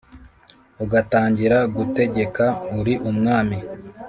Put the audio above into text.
ugatangira gutegeka uri umwami